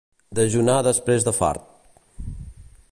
Dejunar després de fart.